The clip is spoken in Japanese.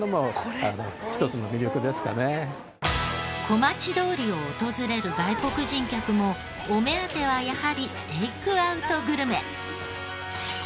小町通りを訪れる外国人客もお目当てはやはりテイクアウトグルメ。